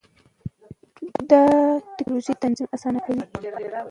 دا ټېکنالوژي تنظیم اسانه کوي.